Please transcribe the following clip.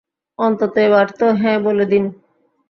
অন্তত এবার তো হ্যাঁঁ বলে দিন।